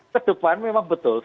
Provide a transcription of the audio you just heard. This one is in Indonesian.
kedepan memang betul